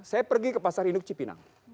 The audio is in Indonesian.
saya pergi ke pasar induk cipinang